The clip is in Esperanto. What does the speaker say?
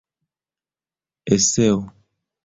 eseo